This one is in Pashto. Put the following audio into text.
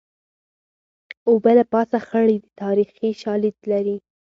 اوبه له پاسه خړې دي تاریخي شالید لري